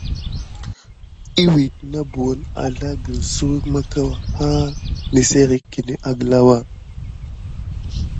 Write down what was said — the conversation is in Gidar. Iwid na buhən azlagən suwek makkrawa ha nəsserik kiné aglawa.